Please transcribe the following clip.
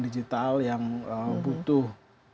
digital yang butuh